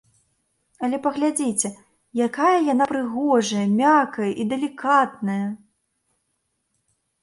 Але паглядзіце, якая яна прыгожая, мяккая і далікатная!